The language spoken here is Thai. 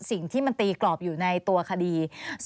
สิ่งที่มันตีกรอบอยู่ในตัวคดี